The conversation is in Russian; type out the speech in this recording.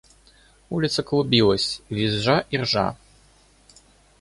Улица клубилась, визжа и ржа.